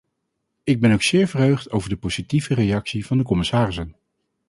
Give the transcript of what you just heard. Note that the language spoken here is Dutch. Ik ben ook zeer verheugd over de positieve reactie van de commissarissen.